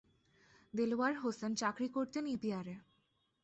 দেলোয়ার হোসেন চাকরি করতেন ইপিআরে।